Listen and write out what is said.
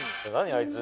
あいつ！